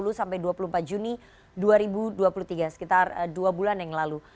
dua puluh sampai dua puluh empat juni dua ribu dua puluh tiga sekitar dua bulan yang lalu